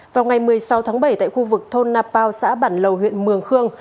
vào ngày một mươi sáu tháng bảy tại khu vực thôn napao xã bản lầu huyện mường khương